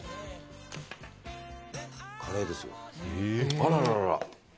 あららら。